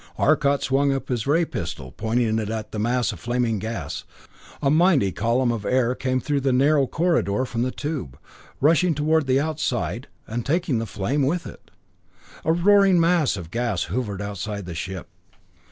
Arcot swung up his ray pistol, pointing it at the mass of flaming gas. A mighty column of air came through the narrow corridor from the tube, rushing toward the outside, and taking the flame with it. A roaring mass of gas hovered outside of the ship.